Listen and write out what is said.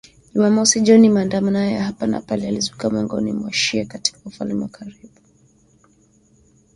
Jumamosi jioni ,maandamano ya hapa na pale yalizuka miongoni mwa wa-shia katika ufalme wa karibu huko nchini Bahrain, kuhusiana na mauaji hayo ya watu wengi